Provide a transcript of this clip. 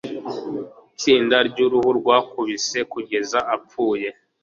Itsinda ryuruhu rwakubise kugeza apfuye.